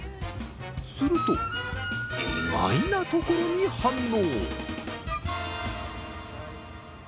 すると、意外なところに反応！